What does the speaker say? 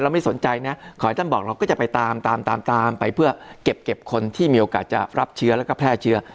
ไม่สนใจนะขอให้ท่านบอกเราก็จะไปตามตามไปเพื่อเก็บคนที่มีโอกาสจะรับเชื้อแล้วก็แพร่เชื้อ